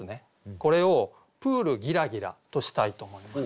これを「プールぎらぎら」としたいと思います。